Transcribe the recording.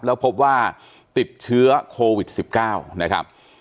แล้วพบว่าติดเชื้อโควิด๑๙นะครับ